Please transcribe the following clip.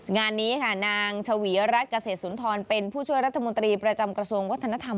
งานนี้ค่ะนางชวีรัฐเกษตรสุนทรเป็นผู้ช่วยรัฐมนตรีประจำกระทรวงวัฒนธรรม